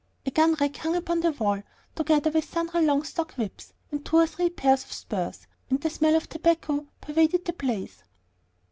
A gun rack hung upon the wall, together with sundry long stock whips and two or three pairs of spurs, and a smell of tobacco pervaded the place.